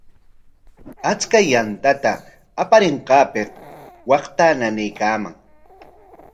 Achka yantata aparinqaapik waqtaa nanaykaaman.